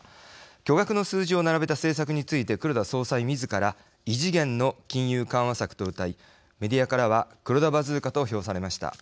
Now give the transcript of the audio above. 巨額の数字を並べた政策について、黒田総裁みずから異次元の金融緩和策とうたいメディアからは黒田バズーカと評されました。